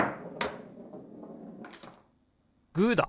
グーだ！